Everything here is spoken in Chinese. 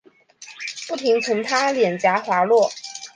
不停从她脸颊滑落